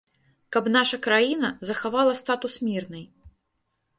Каб наша краіна захавала статус мірнай.